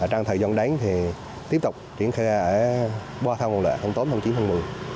trong thời gian đáng tiếp tục triển khai ở ba thang nguồn lệ tháng bốn tháng chín tháng một mươi